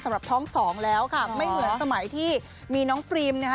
สำหรับท้องสองแล้วค่ะไม่เหมือนสมัยที่มีน้องฟรีมนะคะ